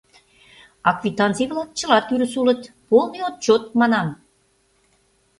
А квитанций-влак чыла тӱрыс улыт, полный отчёт, манам...